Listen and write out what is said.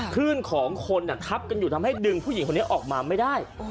คลื่นของคนทับกันอยู่ทำให้ดึงผู้หญิงคนนี้ออกมาไม่ได้